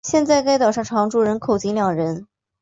现在该岛上常住人口仅两人。